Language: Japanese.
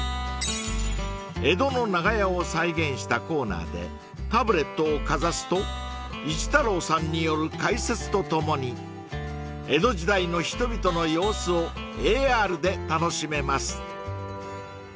［江戸の長屋を再現したコーナーでタブレットをかざすと一太郎さんによる解説とともに江戸時代の人々の様子をＡＲで楽しめます］